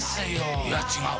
いや、違う。